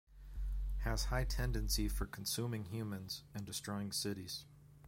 Has high tendency for consuming humans and destroying cities.